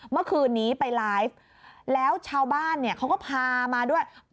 เมื่อคืนนี้ไปไลฟ์แล้วชาวบ้านเนี่ยเขาก็พามาด้วย